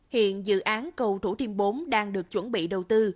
hiện dự án cầu thủ thiêm bốn đang được chuẩn bị đầu tư